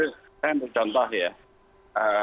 saya berjontoh ya